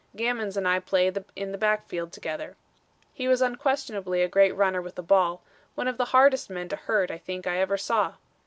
Gammons and I played in the backfield together. He was unquestionably a great runner with the ball; one of the hardest men to hurt, I think, I ever saw.